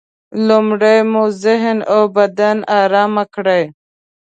لومړی مو ذهن او بدن ارام کړئ.